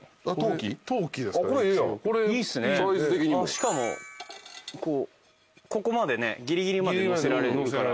しかもここまでギリギリまでのせられるから。